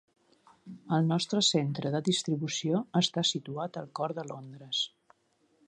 El nostre centre de distribució està situat al cor de Londres.